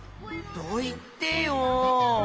どいてよ。